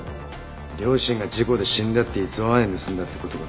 両親が事故で死んだって逸話まで盗んだって事か。